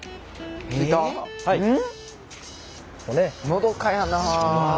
のどかやなあ。